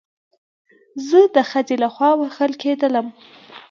زه د خځې له خوا وهل کېدلم